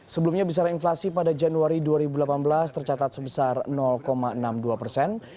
sebelumnya besaran inflasi pada januari dua ribu delapan belas tercatat sebesar enam puluh dua persen